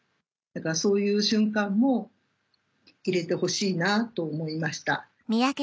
だからそういう瞬間も入れてほしいなと思いました。